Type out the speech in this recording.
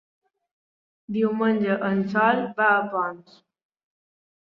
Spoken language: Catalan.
Diumenge en Sol va a Ponts.